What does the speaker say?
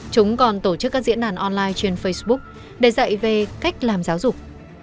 chúng còn tổ chức các diễn đàn online trên facebook để dạy về cách làm giáo dục